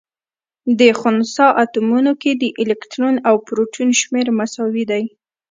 په خنثا اتومونو کي د الکترون او پروتون شمېر مساوي. دی